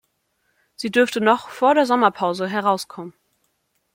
Sie dürfte noch vor der Sommerpause herauskommen.